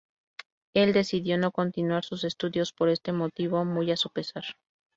Él decidió no continuar sus estudios por este motivo, muy a su pesar.